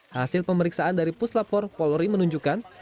hasil pemeriksaan dari puslapor polri menunjukkan